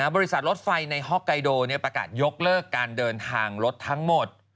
บริษัทรถไฟในฮอกไกโดประกาศยกเลิกการเดินทางรถทั้งหมด